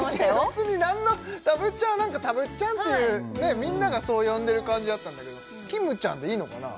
別に何のたぶっちゃんはなんかたぶっちゃんっていうみんながそう呼んでる感じだったんだけどきむちゃんでいいのかな？